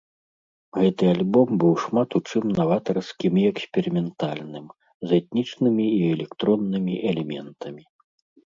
Гэты альбом быў шмат у чым наватарскім і эксперыментальным, з этнічнымі і электроннымі элементамі.